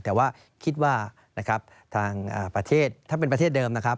แต่ว่าคิดว่าถ้าเป็นประเทศเดิม